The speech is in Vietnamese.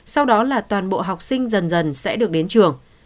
sau đó là toàn bộ học sinh dần dần sẽ được đến trường